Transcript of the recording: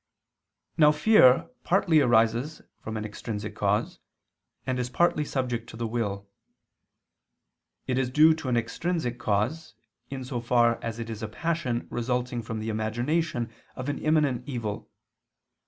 Now fear partly arises from an extrinsic cause, and is partly subject to the will. It is due to an extrinsic cause, in so far as it is a passion resulting from the imagination of an imminent evil.